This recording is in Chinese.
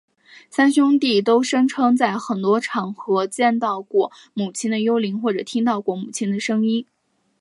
三兄弟都声称在很多场合见到过母亲的幽灵或者听到过母亲的声音。